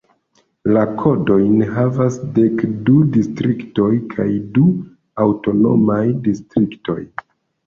La kodojn havas dek du distriktoj kaj du aŭtonomaj distriktoj.